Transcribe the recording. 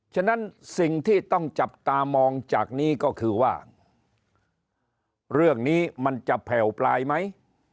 ฉะนั้นสิ่งที่ต้องจับตามองจากนี้ก็คือว่าเรื่องนี้มันจะแผ่วปลายไหม